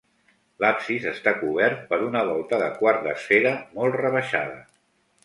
L'absis està cobert per una volta de quart d'esfera molt rebaixada.